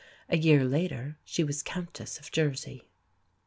A year later she was Countess of Jersey.